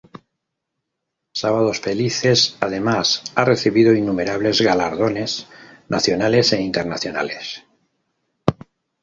Sábados Felices además ha recibido innumerables galardones nacionales e internacionales.